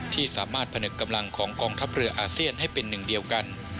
ที่สามารถผนึกกำลังของกองทัพเรืออาเซียนให้เป็นหนึ่งเดียวกัน